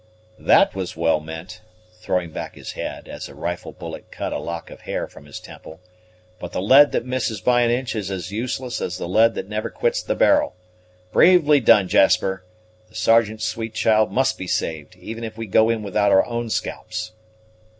That was well meant," throwing back his head, as a rifle bullet cut a lock of hair from his temple; "but the lead that misses by an inch is as useless as the lead that never quits the barrel. Bravely done, Jasper! the Sergeant's sweet child must be saved, even if we go in without our own scalps."